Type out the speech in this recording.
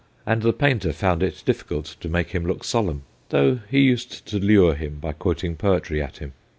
and the painter found it difficult to make him look solemn, though he used to lure him by quoting poetry at him.